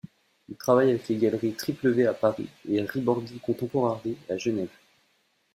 Il travaille avec les galeries Triple V à Paris et ribordy contemporary à Genève.